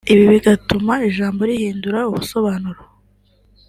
ibi bigatuma ijambo rihindura ubusobanuro